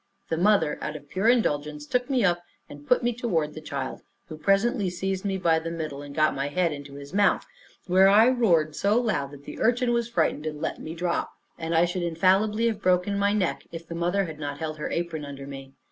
The mother, out of pure indulgence, took me up, and put me toward the child, who presently seized me by the middle, and got my head into his mouth, where I roared so loud that the urchin was frighted, and let me drop, and I should infallibly have broke my neck, if the mother had not held her apron under me.